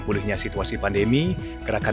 pulihnya situasi pandemi gerakan